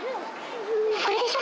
これでしょ？